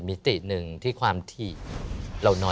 โปรดติดตามต่อไป